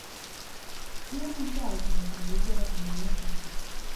Un enunciado sen desenvolver e sen medidas concretas.